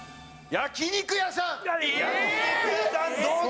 焼肉屋さんどうだ？